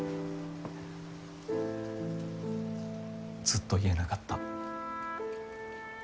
ずっと言えなかった。